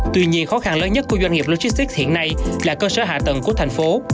tuy nhiên khó khăn lớn nhất của doanh nghiệp logistics hiện nay là cơ sở hạ tầng của thành phố